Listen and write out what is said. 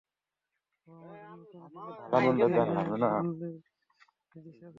বাবা আমার জন্য নতুন কোনো খেলনা কিনে আনলেই যিশা ভেঙে ফেলে।